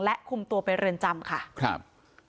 และคุมตัวไปเรือนจำค่ะครับ